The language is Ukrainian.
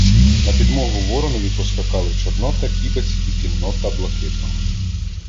На підмогу Воронові поскакали Чорнота, Кібець і кіннота Блакитного.